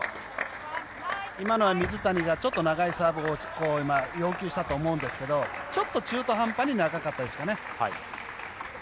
今のは水谷がちょっと長いサービスを要求したと思うんですけどちょっと中途半端に長かったですかね。